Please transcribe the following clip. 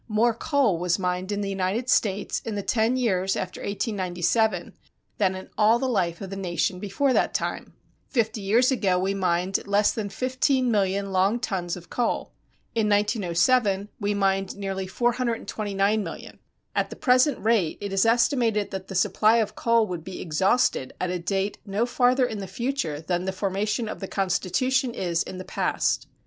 More coal was mined in the United States in the ten years after 1897 than in all the life of the nation before that time.[313:1] Fifty years ago we mined less than fifteen million long tons of coal. In 1907 we mined nearly 429,000,000. At the present rate it is estimated that the supply of coal would be exhausted at a date no farther in the future than the formation of the constitution is in the past.